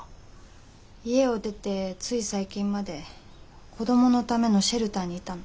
家を出てつい最近まで子どものためのシェルターにいたの。